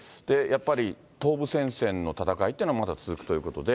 やっぱり東部戦線の戦いっていうのは、まだ続くということで。